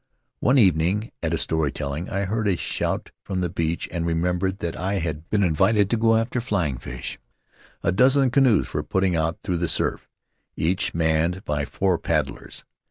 "One evening, at a story telling, I heard a shout from the beach and remembered that I had been invited to go after flying fish. A dozen canoes were putting out through the surf, each manned by four paddlers.